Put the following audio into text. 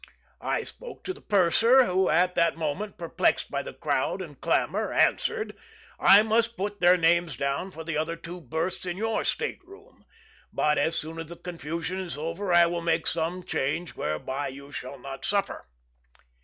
I spoke to the purser, who, at the moment perplexed by the crowd and clamor, answered: "I must put their names down for the other two berths of your state room; but, as soon as the confusion is over, I will make some change whereby you shall not suffer."